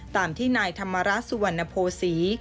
ตามที่นายธรรมราชสุวรรณโภษี